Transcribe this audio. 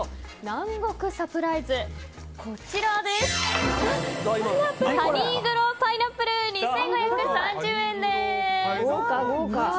南国サプライズハニーグローパイナップル２５３０円です。